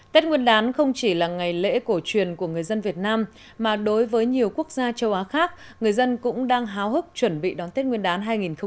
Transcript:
tết nguyên đán không chỉ là ngày lễ cổ truyền của người dân việt nam mà đối với nhiều quốc gia châu á khác người dân cũng đang háo hức chuẩn bị đón tết nguyên đán hai nghìn hai mươi